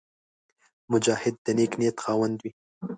مجاهد د نېک نیت خاوند وي.